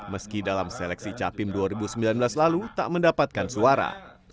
meski dalam seleksi capim dua ribu sembilan belas lalu tak mendapatkan suara